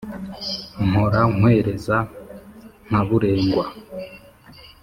mpora nkwereza nkaburengwa